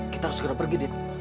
kita harus segera pergi